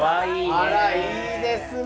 あらいいですね。